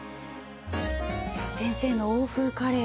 先生の欧風カレー